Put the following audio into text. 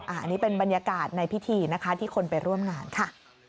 อันนี้เป็นบรรยากาศในพิธีนะคะที่คนไปร่วมงานค่ะ